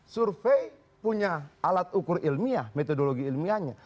survei punya alat ukur ilmiah metodologi ilmiahnya